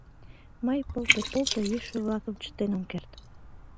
Мый пылте-полто йӱшӧ-влакым чытен ом керт.